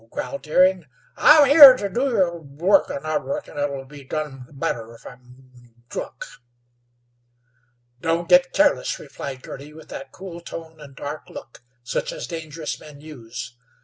growled Deering. "I'm here ter do your work, an' I reckon it'll be done better if I'm drunk." "Don't git careless," replied Girty, with that cool tone and dark look such as dangerous men use.